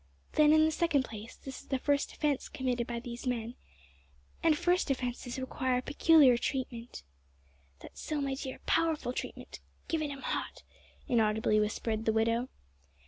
Then, in the second place, this is the first offence committed by these men, and first offences require peculiar treatment " ("That's so, my dear powerful treatment. Give it 'em hot!" inaudibly whispered the widow.)